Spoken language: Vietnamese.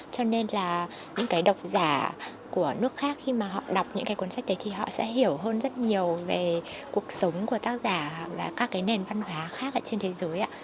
cho nên là những cái đọc giả của nước khác khi mà họ đọc những cái cuốn sách đấy thì họ sẽ hiểu hơn rất nhiều về cuộc sống của tác giả và các cái nền văn hóa khác trên thế giới ạ